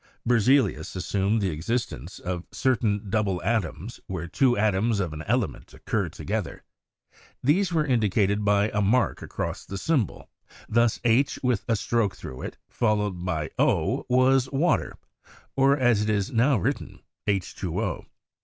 Ber zelius assumed the existence of certain double atoms (where two atoms of an element occur together). These were indicated by a mark across the symbol ; thus H with a stroke through it, followed by O, was water, or, as it is slow written, H 2 0.